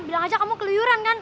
bilang aja kamu keluyuran kan